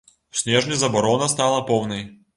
У снежні забарона стала поўнай.